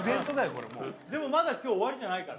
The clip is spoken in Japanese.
これもうでもまだ今日終わりじゃないから